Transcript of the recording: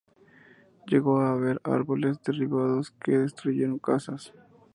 Llegó a haber árboles derribados que destruyeron casas.